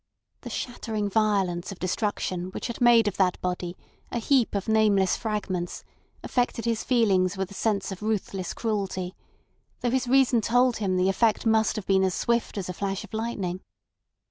The shattering violence of destruction which had made of that body a heap of nameless fragments affected his feelings with a sense of ruthless cruelty, though his reason told him the effect must have been as swift as a flash of lightning.